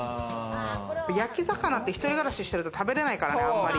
焼き魚って一人暮らししてると食べれないからね。